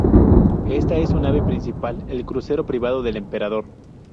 Esta es su nave principal, el crucero privado del Emperador.